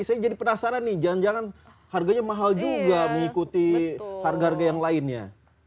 saya jadi penasaran nih jangan jangan harganya mahal juga mengikuti harga harga yang lainnya